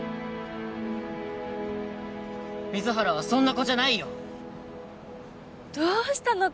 水原はそんな子じゃないよどうしたの？